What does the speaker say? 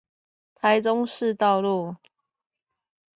台中市道路